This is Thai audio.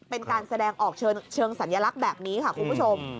เป็นการแสดงออกเชิงสัญลักษณ์แบบนี้ค่ะคุณผู้ชม